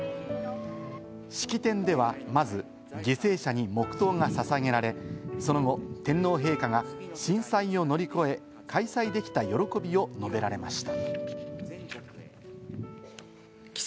式典ではまず犠牲者に黙とうが捧げられ、その後、天皇陛下が震災を乗り越え、開催できた喜びを述べられました。